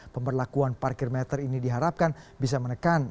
pemberlakuan parkir meter ini diharapkan bisa menekan